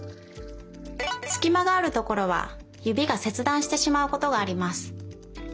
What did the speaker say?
すきまがあるところはゆびがせつだんしてしまうことがあります。